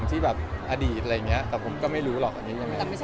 ที่แบบอดีตอะไรอย่างนี้